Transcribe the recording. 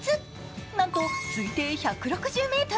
なんと推定１６０ｍ。